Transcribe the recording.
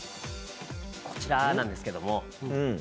こちらなんですけども。